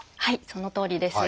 そのとおりです。